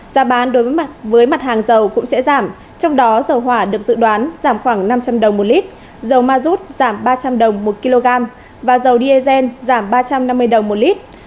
giá bán đối mặt với mặt hàng dầu cũng sẽ giảm trong đó dầu hỏa được dự đoán giảm khoảng năm trăm linh đồng một lít dầu ma rút giảm ba trăm linh đồng một kg và dầu diesel giảm ba trăm năm mươi đồng một lít